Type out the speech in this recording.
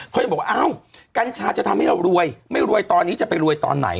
เขาจะบอกว่าอ้าวกัญชาจะทำให้เรารวยไม่รวยตอนนี้จะไปรวยตอนไหน